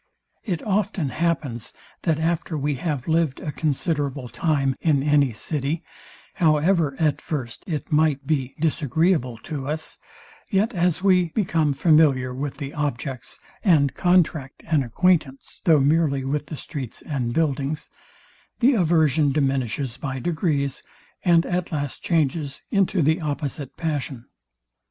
It often happens, that after we have lived a considerable time in any city; however at first it might be disagreeable to us; yet as we become familiar with the objects, and contact an acquaintance, though merely with the streets and buildings, the aversion diminishes by degrees, and at last changes into the opposite passion.